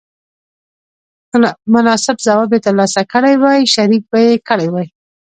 که مناسب ځواب یې تر لاسه کړی وای شریک به یې کړی وای.